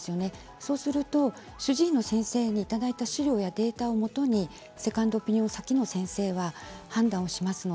そうすると主治医の先生にいただいた資料やデータをもとにセカンドオピニオン先の先生は判断をします。